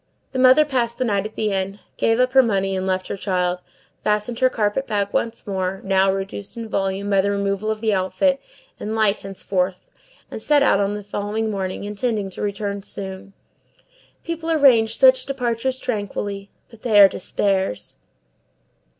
The mother passed the night at the inn, gave up her money and left her child, fastened her carpet bag once more, now reduced in volume by the removal of the outfit, and light henceforth and set out on the following morning, intending to return soon. People arrange such departures tranquilly; but they are despairs!